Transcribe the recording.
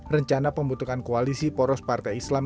rencana pembentukan koalisi poros partai islam